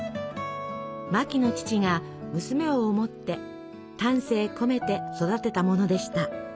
マキの父が娘を思って丹精込めて育てたものでした。